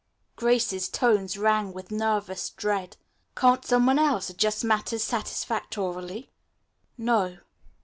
Grace's tones rang with nervous dread. "Can't some one else adjust matters satisfactorily?" "No."